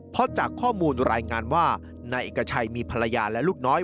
เพราะจากข้อมูลรายงานว่านายเอกชัยมีภรรยาและลูกน้อย